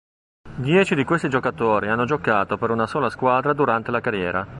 Dieci di questi giocatori hanno giocato per una sola squadra durante la carriera.